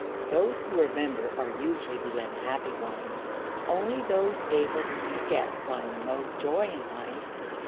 Those who remember are usually the unhappy ones; only those able to forget find the most joy in life."